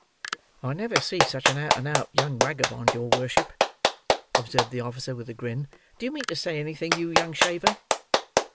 "I never see such an out and out young wagabond, your worship," observed the officer with a grin. "Do you mean to say anything, you young shaver?"